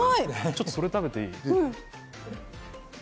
ちょっとそれ食べていい？